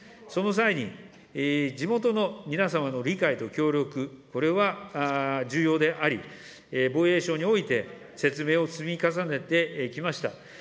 その際に、地元の皆様の理解と協力、これは重要であり、防衛省において、説明を積み重ねてきました。